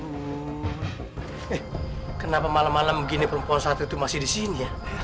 eh kenapa malam malam gini perempuan saat itu masih di sini